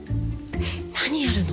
何やるの？